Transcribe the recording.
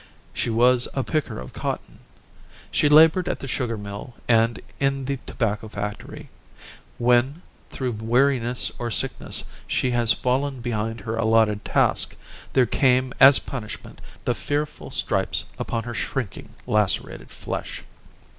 She was a picker of cotton. She labored at the sugar mill and in the tobacco factory. When, through weariness or sickness, she has fallen behind her allotted task, there came, as punishment, the fearful stripes upon her shrinking, lacerated flesh.